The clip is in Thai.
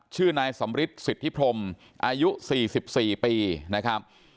ชื่อนายสำริชสิทธิพรมอายุสี่สิบสี่ปีนะครับ